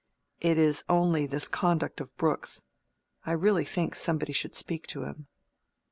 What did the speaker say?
"It is only this conduct of Brooke's. I really think somebody should speak to him."